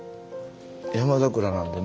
ヤマザクラなんでね